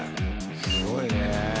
すごいね。